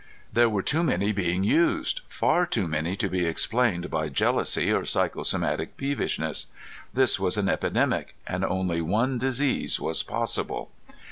There were too many being used far too many to be explained by jealousy or psychosomatic peevishness. This was an epidemic, and only one disease was possible!